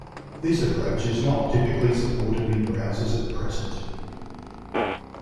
This approach is not typically supported in browsers at present.